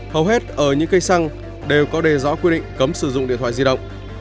hầu hết ở những cây xăng đều có đề rõ quy định cấm sử dụng điện thoại di động